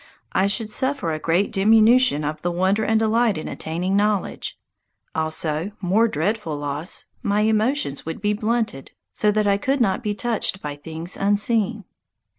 I should suffer a great diminution of the wonder and delight in attaining knowledge; also more dreadful loss my emotions would be blunted, so that I could not be touched by things unseen.